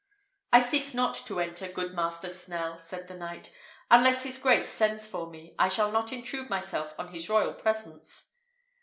"I seek not to enter, good Master Snell," said the knight. "Unless his grace sends for me, I shall not intrude myself on his royal presence."